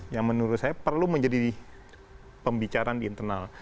yang menurut saya perlu menjadi pembicaraan di internal